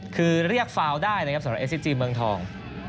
คือเรียกฟาวได้นะครับสำหรับเอสซิจีเมืองทอง